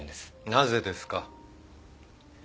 なぜですか？